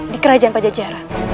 di kerajaan pajajara